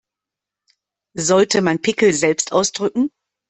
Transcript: Sollte man Pickel selbst ausdrücken?